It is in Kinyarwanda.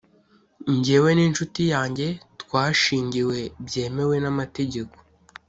njyewe n’inshuti yanjye twashingiwe byemewe n’amategeko”